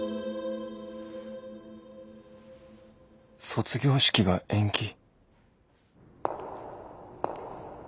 卒業式が延期。